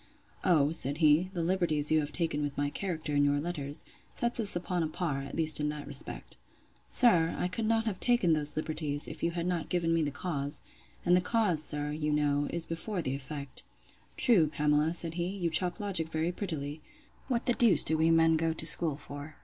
O, said he, the liberties you have taken with my character in your letters, sets us upon a par, at least in that respect. Sir, I could not have taken those liberties, if you had not given me the cause: and the cause, sir, you know, is before the effect. True, Pamela, said he; you chop logic very prettily. What the deuse do we men go to school for?